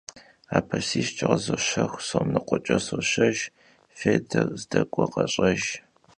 Apesişç'e khızoşexu, som nıkhueç'e soşejj — fêyder zdek'uer kheş'ejj!